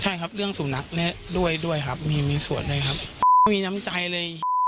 ใช่ครับเรื่องสุนัขด้วยด้วยครับมีมีส่วนด้วยครับมีน้ำใจเลย